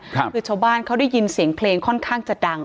คือชาวบ้านเขาได้ยินเสียงเพลงค่อนข้างจะดัง